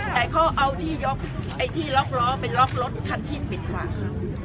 แต่เขาเอาที่ยกไอ้ที่ล็อกล้อไปล็อกรถคันที่ปิดขวาง